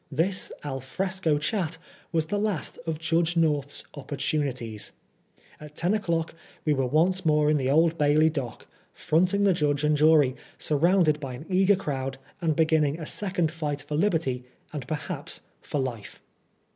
This alfresco chat was the last of Judge North's " opportunities." At ten o'clock we were once more in the Old Bailey dock, fronting the judge and jury, surrounded by an eager crowd, and beginning a second fight for liberty and perhaps for life.